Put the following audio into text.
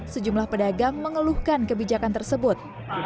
sejumlah pedagang mengeluhkan kebijakan tersebut